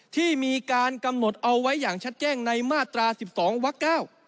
ที่มีการกำหนดเอาไว้อย่างชัดแจ้งในมาตร๑๒วัก๙